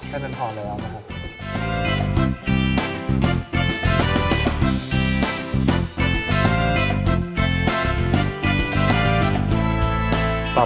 ให้มันพอแล้วนะครับ